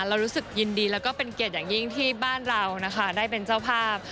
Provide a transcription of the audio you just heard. เรารู้สึกยินดีแล้วก็เป็นเกียรติอย่างยิ่งที่บ้านเรานะคะได้เป็นเจ้าภาพ